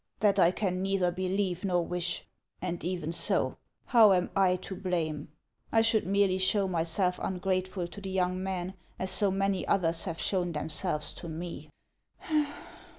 " That I can neither believe nor wish. And even so, how am I to blame ? I should merely show myself HANS OF ICELAND. 261 ungrateful to the young man, as so many others have shown themselves to me."